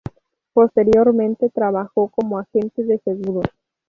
Posteriormente trabajó como agente de seguros.